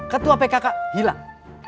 ketua pkk hilang